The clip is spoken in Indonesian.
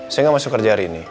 saya gak mau kerja hari ini